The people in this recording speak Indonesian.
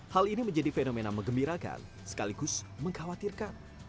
hal ini menjadi fenomena mengembirakan sekaligus mengkhawatirkan